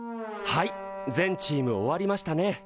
はい全チーム終わりましたね。